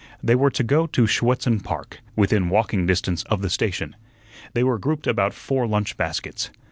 They were to go to Schuetzen Park, within walking distance of the station. They were grouped about four lunch baskets.